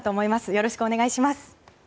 よろしくお願いします。